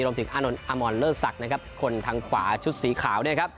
ร่วมถึงอณอมอลเลอทรักต์ส่วนทางขวาชุดสีขาว